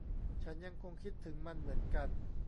ฉันยังคงคิดถึงมันเหมือนกัน